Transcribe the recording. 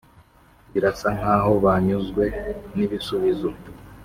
birasa nkaho banyuzwe nibisubizo.